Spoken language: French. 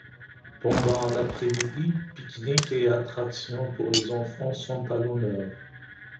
Pendant un après-midi, pique-nique et attractions pour les enfants sont à l’honneur.